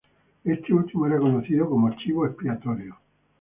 Este último era conocido como chivo expiatorio.